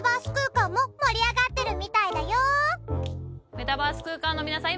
メタバース空間の皆さん